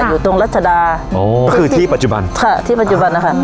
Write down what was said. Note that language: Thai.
อยู่ตรงรัชดาอ๋อก็คือที่ปัจจุบันค่ะที่ปัจจุบันนะคะ